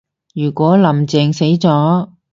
如果林鄭死咗